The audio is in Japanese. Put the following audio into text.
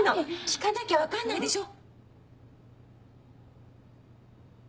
聞かなきゃ分かんないでしょ。